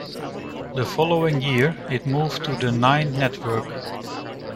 The following year it moved to the Nine Network.